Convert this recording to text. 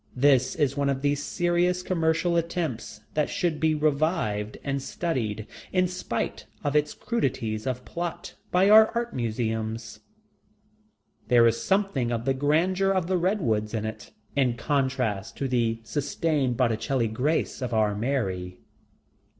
This is one of the serious commercial attempts that should be revived and studied, in spite of its crudities of plot, by our Art Museums. There is something of the grandeur of the redwoods in it, in contrast to the sustained Botticelli grace of "Our Mary."